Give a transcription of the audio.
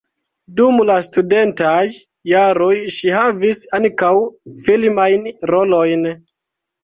Dum la studentaj jaroj ŝi havis ankaŭ filmajn rolojn.